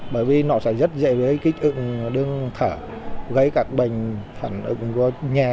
bởi vì nó sẽ rất dễ bị kích ựng đương thở gây các bệnh phản ứng vô nhà